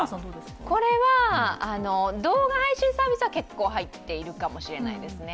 これは、動画配信サービスは結構入っているかもしれないですね。